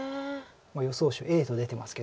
予想手Ａと出てますけど。